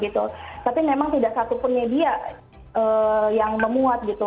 tapi memang tidak satu pun media yang memuat